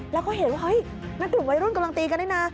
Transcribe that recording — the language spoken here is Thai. แล้วก็เห็นว่าเฮ้ยนั่นกลุ่มวัยรุ่นกำลังตีกันด้วยนะ